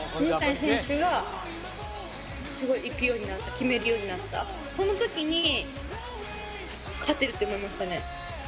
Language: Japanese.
水谷選手がすごいいくようになった決めるようになったその時にって思いましたね